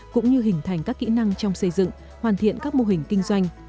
cũng như hình thành các kỹ năng trong xây dựng hoàn thiện các mô hình kinh doanh